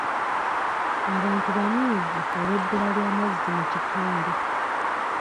Abantu banyiivu olw'ebbula ly'amazzi mu kitundu.